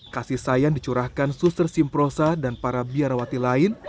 kasih sayang dicurahkan suster simprosa dan para biarawati lain